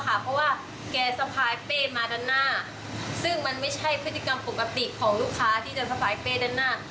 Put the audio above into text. เพราะว่าแกสะพายเป้มาด้านหน้าซึ่งมันไม่ใช่พฤติกรรมปกติของลูกค้าที่เดินสะพายเป้ด้านหน้า